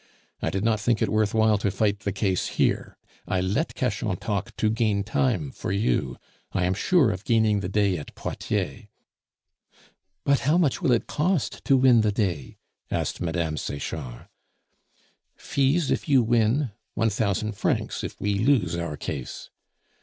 I did not think it worth while to fight the case here. I let Cachan talk to gain time for you; I am sure of gaining the day at Poitiers " "But how much will it cost to win the day?" asked Mme. Sechard. "Fees if you win, one thousand francs if we lose our case."